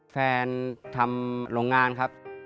ทำโรงงานครับ